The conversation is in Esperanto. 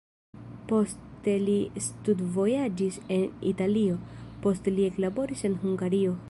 Poste li studvojaĝis en Italio, poste li eklaboris en Hungario.